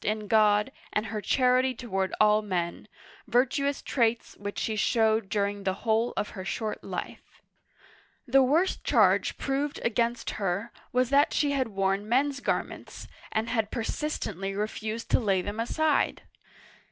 (1422 1461) 195 in God, and her charity toward all men, — virtuous traits which she showed during the whole of her short life. The worst charge proved against her was that she had worn men's garments, and had persistently refused to lay them aside